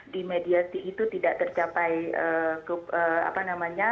di mediasi itu tidak tercapai apa namanya